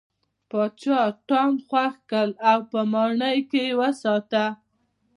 پاچا ټام خوښ کړ او په ماڼۍ کې یې وساته.